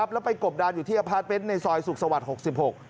แล้วไปกบดานอยู่ที่อพาร์ทเมนต์ในซอยสุขสวรรค์๖๖